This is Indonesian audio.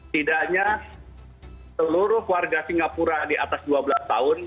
tidaknya seluruh warga singapura di atas dua belas tahun